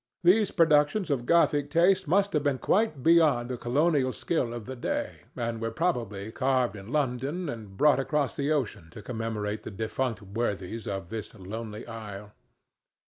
These productions of Gothic taste must have been quite beyond the colonial skill of the day, and were probably carved in London and brought across the ocean to commemorate the defunct worthies of this lonely isle.